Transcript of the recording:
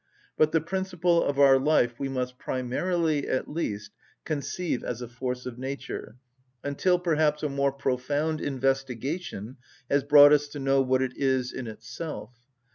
But the principle of our life we must, primarily at least, conceive as a force of nature, until perhaps a more profound investigation has brought us to know what it is in itself.